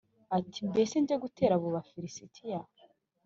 ati “Mbese njye gutera abo Bafilisitiya?”